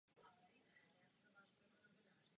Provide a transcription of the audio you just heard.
Já se pouze držím stávajících pravidel.